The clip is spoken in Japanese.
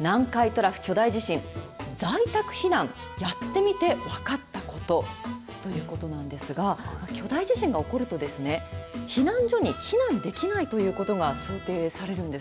南海トラフ巨大地震、在宅避難、やってみて分かったことということなんですが、巨大地震が起こると、避難所に避難できないということが想定されるんです。